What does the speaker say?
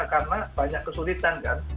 karena banyak kesulitan kan